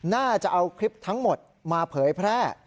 น่าจะเอาคลิปทั้งหมดมาเผยแพร่